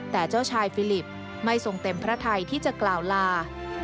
แต่เจ้าชายฟิลิปไม่ทรงเต็มพระไทยที่จะกล่าวลา